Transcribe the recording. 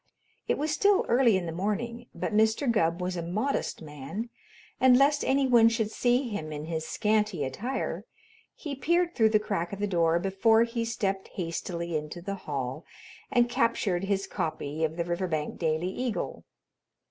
It was still early in the morning, but Mr. Gubb was a modest man, and, lest any one should see him in his scanty attire, he peered through the crack of the door before he stepped hastily into the hall and captured his copy of the "Riverbank Daily Eagle."